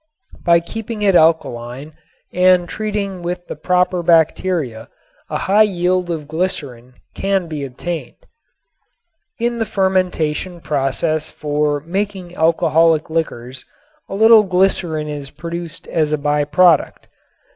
By keeping it alkaline and treating with the proper bacteria a high yield of glycerin can be obtained. In the fermentation process for making alcoholic liquors a little glycerin is produced as a by product.